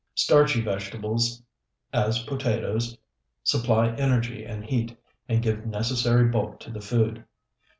Starchy vegetables, as potatoes, supply energy and heat, and give necessary bulk to the food.